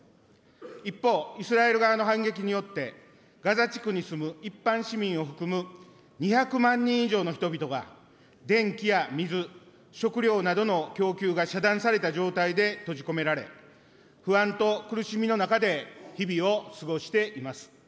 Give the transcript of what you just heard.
一方、イスラエル側の反撃によって、ガザ地区に住む一般市民を含む２００万人以上の人々が、電気や水、食料などの供給が遮断された状態で閉じ込められ、不安と苦しみの中で日々を過ごしています。